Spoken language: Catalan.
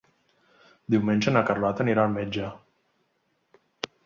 Diumenge na Carlota anirà al metge.